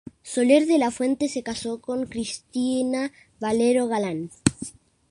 Soler de la Fuente se casó con Cristina Valero Galán.